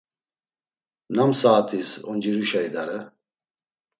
Nam saat̆is onciruşa idare?